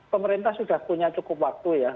pemerintah sudah punya cukup waktu ya